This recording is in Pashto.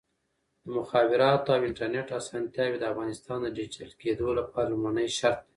د مخابراتو او انټرنیټ اسانتیاوې د افغانستان د ډیجیټل کېدو لپاره لومړنی شرط دی.